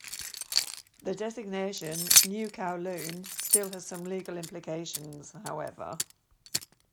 The designation "New Kowloon" still has some legal implications, however.